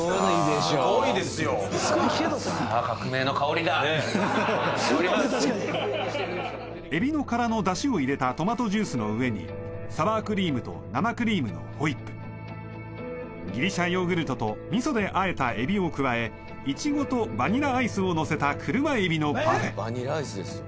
すごいですよさあエビの殻のダシを入れたトマトジュースの上にサワークリームと生クリームのホイップギリシャヨーグルトとみそであえたエビを加えイチゴとバニラアイスをのせた車エビのパフェバニラアイスですよ